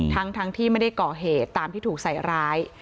ทั้งที่ไม่ได้ก่อเหตุตามที่ถูกใส่ร้าย